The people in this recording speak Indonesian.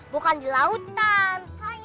bukan di lautan